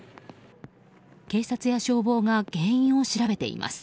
警察や消防が原因を調べています。